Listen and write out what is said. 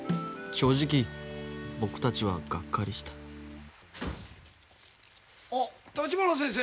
正直僕たちはがっかりしたあっ立花先生！